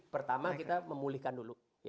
pertama kita memulihkan dulu